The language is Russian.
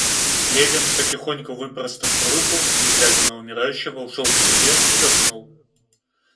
Левин, потихоньку выпростав руку, не глядя на умирающего, ушел к себе и заснул.